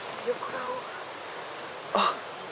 あっ。